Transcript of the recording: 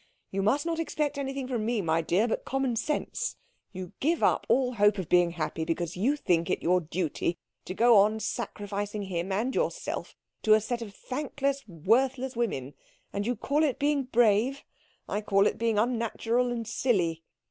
You must not expect anything from me, my dear, but common sense. You give up all hope of being happy because you think it your duty to go on sacrificing him and yourself to a set of thankless, worthless women, and you call it being brave. I call it being unnatural and silly."